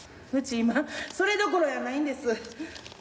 うち今それどころやないんです。